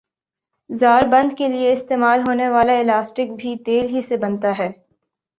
زار بند کیلئے استعمال ہونے والا الاسٹک بھی تیل ہی سے بنتا ھے